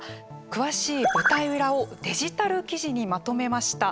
詳しい舞台裏をデジタル記事にまとめました。